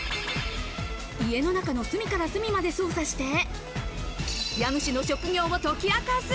家の中の隅から隅まで捜査して、家主の職業を解き明かす。